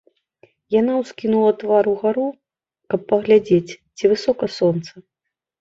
Яна ўскінула твар угару, каб паглядзець, ці высока сонца.